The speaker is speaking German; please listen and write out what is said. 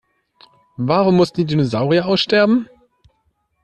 Warum mussten die Dinosaurier aussterben?